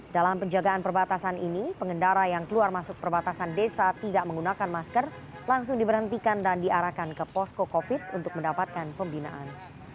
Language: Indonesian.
dalam penjagaan perbatasan ini pengendara yang keluar masuk perbatasan desa tidak menggunakan masker langsung diberhentikan dan diarahkan ke posko covid untuk mendapatkan pembinaan